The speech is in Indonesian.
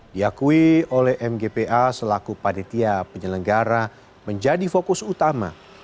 diakui oleh mgpa selaku panitia penyelenggara menjadi fokus utama